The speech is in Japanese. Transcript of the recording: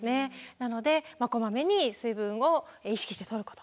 なのでこまめに水分を意識してとること。